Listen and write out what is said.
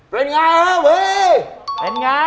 เป้นไงฮะเป็นไง